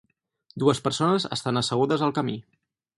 Dues persones estan assegudes al camí.